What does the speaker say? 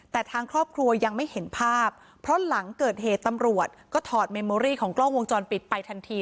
แต่ทางครอบครัวยังไม่เห็นภาพเพราะหลังเกิดเหตุตำรวจก็ถอดเมมโมรี่ของกล้องวงจรปิดไปทันที